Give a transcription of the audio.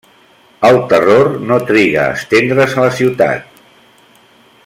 El terror no triga a estendre's a la ciutat.